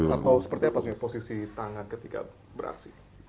atau seperti apa sih posisi tangan ketika beraksi